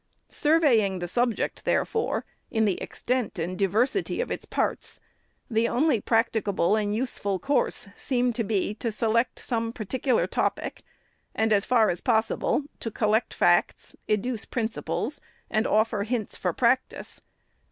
Surveying the subject, therefore, in the extent and diversity of its parts, the Only practicable and useful course seemed to be, to select some particular topic, and, as far as possible, to collect facts, educe principles, and offer hints for practice.